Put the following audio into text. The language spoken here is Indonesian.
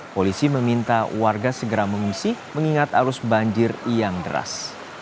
polisi meminta warga segera mengungsi mengingat arus banjir yang deras